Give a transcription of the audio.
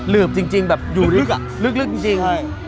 ลืบจริงอยู่ลึกจริง